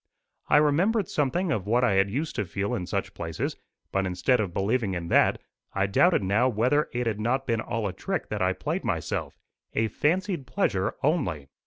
I remembered something of what I had used to feel in such places, but instead of believing in that, I doubted now whether it had not been all a trick that I played myself a fancied pleasure only.